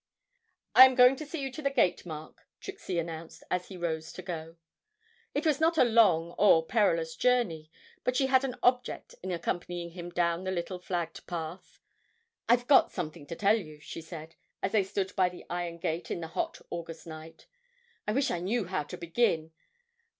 'I am going to see you to the gate, Mark,' Trixie announced, as he rose to go. It was not a long or a perilous journey, but she had an object in accompanying him down the little flagged path. 'I've got something to tell you,' she said, as they stood by the iron gate in the hot August night. 'I wish I knew how to begin....